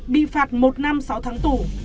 bị phạt một năm sáu tháng tù